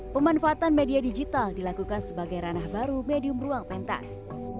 pemanfaatan media digital dilakukan sebagai ranah baru medium ruang pentas